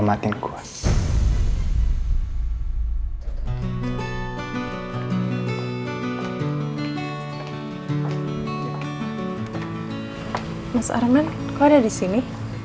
mas arman kok ada disini